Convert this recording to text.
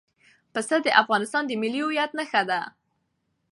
پسه د افغانستان د ملي هویت نښه ده.